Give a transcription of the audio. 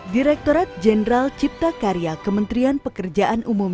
direkturat jenderal cipta karya kementerian pekerjaan umum